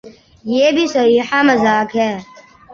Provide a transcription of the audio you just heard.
یہ بھی صریحا مذاق ہے۔